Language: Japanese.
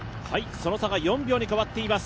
その差が４秒に変わっています。